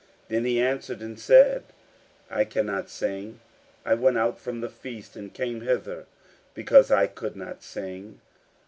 Then he answered and said: "I cannot sing; I went out from the feast and came hither because I could not sing."